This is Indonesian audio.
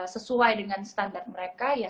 sesuai dengan standar mereka